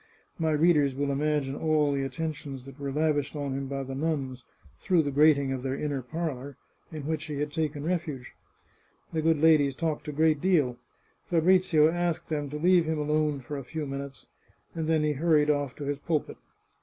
My readers will imagine all the attentions that were lavished on him by the nuns, through the grating of their inner parlour, in which he had taken refuge. The good ladies talked a great deal. Fabrizio asked them to leave him alone for a few minutes, and then he hurried off to his pulpit.